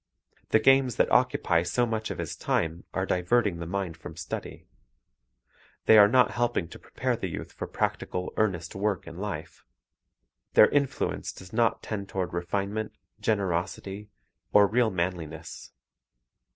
The games that occupy so much of his time are diverting the mind from study. They are not helping to prepare the youth for practical, earnest work in life. Their influence does not tend toward refinement, generosity, or real manliness.